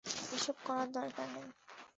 এসব করার দরকার নেই।